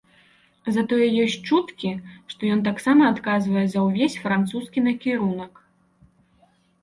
Затое ёсць чуткі, што ён таксама адказвае за ўвесь французскі накірунак.